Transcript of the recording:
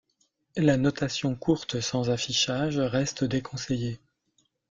La notation courte sans affichage reste déconseillée.